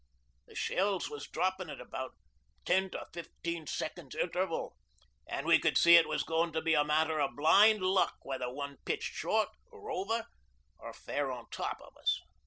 The shells was droppin' at about ten to fifteen seconds' interval, an' we could see it was goin' to be a matter o' blind luck whether one pitched short or over or fair a top o' us.